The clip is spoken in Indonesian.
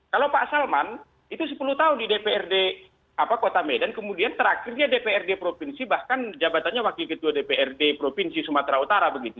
kalau pak salman itu sepuluh tahun di dprd kota medan kemudian terakhir dia dprd provinsi bahkan jabatannya wakil ketua dprd provinsi sumatera utara begitu